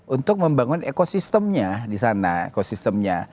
untuk membangun ekosistemnya di sana ekosistemnya